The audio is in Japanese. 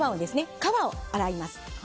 皮を洗います。